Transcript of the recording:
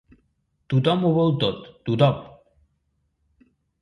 Tothom ho vol tot, tothom!